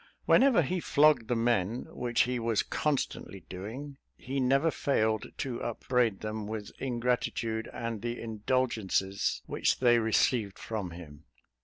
Whenever he flogged the men, which he was constantly doing, he never failed to upbraid them with ingratitude, and the indulgences which they received from him.